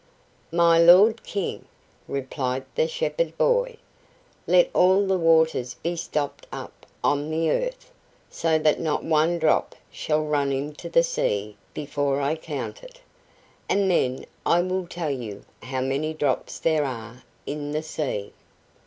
"My lord King," replied the shepherd boy, "let all the waters be stopped up on the earth, so that not one drop shall run into the sea before I count it, and then I will tell you how many drops there are in the sea!"